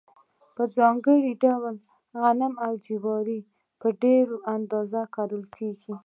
په ځانګړي ډول غنم او جوار په ډېره اندازه کرل کیږي.